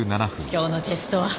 今日のテストは。